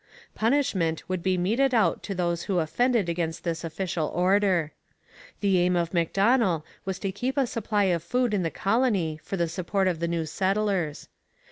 Punishment would be meted out to those who offended against this official order. The aim of Macdonell was to keep a supply of food in the colony for the support of the new settlers.